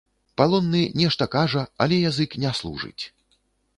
Палонны нешта кажа, але язык не служыць.